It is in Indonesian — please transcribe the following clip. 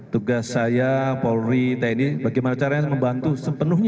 tugas saya paul ri tni bagaimana caranya membantu sepenuhnya